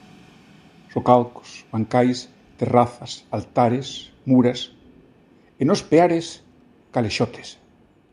Socalcos, bancais, terrazas, altares, muras... e nos Peares: calexotes.